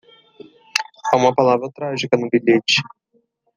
Há uma palavra trágica no bilhete.